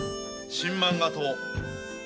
新漫画党。